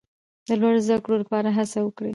د لوړو زده کړو لپاره هڅه وکړئ.